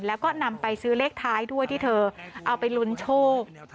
แล้วก็นำไปซื้อเลขท้ายด้วยที่เธอเอาไปลุ้นโชค